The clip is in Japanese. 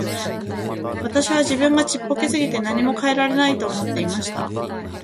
私は自分がちっぽけすぎて何も変えられないと思っていました。